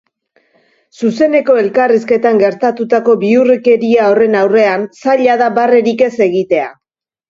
Zuzeneko elkarrizketan gertatutako bihurrikeria horren aurrean zaila da barrerik ez egitea.